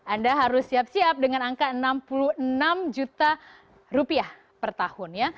anda harus siap siap dengan angka enam puluh enam juta rupiah per tahun ya